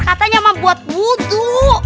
katanya ma buat wudu